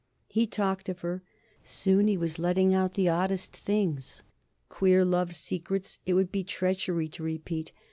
He talked of her soon he was letting out the oddest things, queer love secrets it would be treachery to repeat.